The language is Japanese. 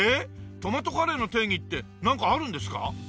トマトカレーの定義ってなんかあるんですか？